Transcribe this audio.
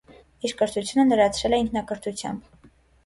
Իր կրթությունը լրացրել է ինքնակրթությամբ։